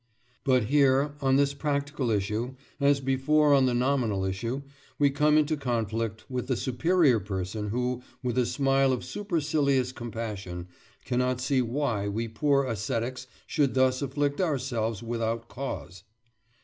But here on this practical issue, as before on the nominal issue, we come into conflict with the superior person who, with a smile of supercilious compassion, cannot see why we poor ascetics should thus afflict ourselves without cause.